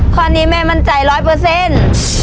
ข้อนี้แม่มั่นใจร้อยเปอร์เซ็นต์